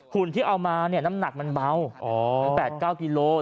หุ่นที่เอามาเนี่ยน้ำหนักมันเบา๗๙กิโลกรัม